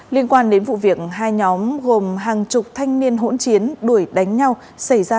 liên quan đến vụ việc hai nhóm gồm hàng chục thanh niên hỗn chiến đuổi đánh nhau xảy ra